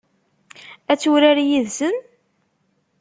Ad turar yid-sen?